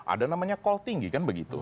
ada namanya call tinggi kan begitu